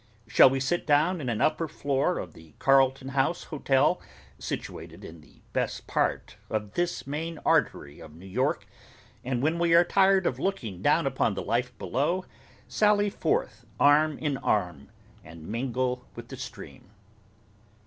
Shall we sit down in an upper floor of the Carlton House Hotel (situated in the best part of this main artery of New York), and when we are tired of looking down upon the life below, sally forth arm in arm, and mingle with the stream?